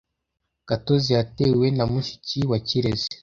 Gatozi yatewe na mushiki wa Kirezi .